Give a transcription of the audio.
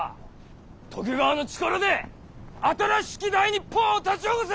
徳川の力で新しき大日本を立ち起こせ！